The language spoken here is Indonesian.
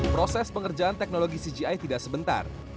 proses pengerjaan teknologi cgi tidak sebentar